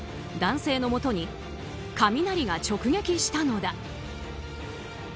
男性のもとに雷が直撃したのだ。